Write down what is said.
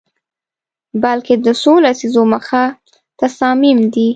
بلکه د څو لسیزو مخه تصامیم دي